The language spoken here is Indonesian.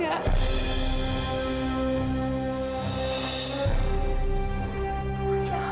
masya allah mila